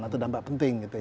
atau dampak penting